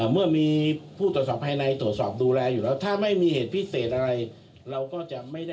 เมื่อมีผู้ตรวจสอบภายในตรวจสอบดูแลอยู่แล้วถ้าไม่มีเหตุพิเศษอะไรเราก็จะไม่ได้